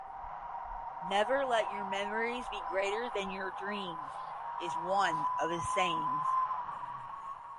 "Never let your memories be greater than your dreams" is one of his sayings.